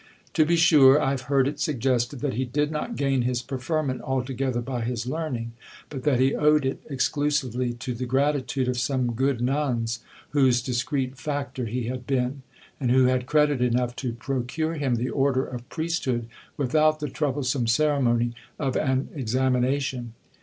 To be sure, I have heard it suggested, that he did not gain his preferment altogether by his learning : but that he owed it exclusively to the gratitude of some good nuns whose discreet factor he had been, and who had credit enough to procure him the order of priesthood without the troublesome ceremony of an examin ation.